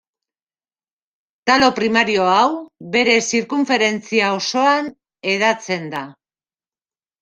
Talo primario hau, bere zirkunferentzia osoan hedatzen da.